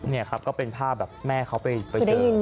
นี่ครับก็เป็นภาพแบบแม่เขาไปเจอ